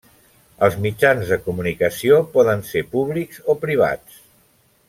Els mitjans de comunicació poden ser públics o privats.